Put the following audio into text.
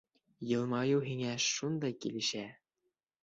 Йылмайыу һиңә шундай килешә!